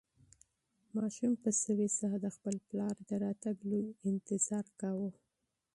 ماشوم په سوې ساه د خپل پلار د راتګ لوی انتظار کاوه.